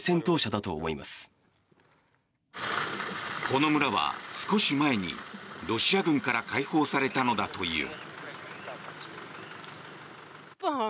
この村は少し前にロシア軍から解放されたのだという。